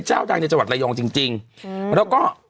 จะไปขุดดูทุกเรื่องที่คุณมดกัน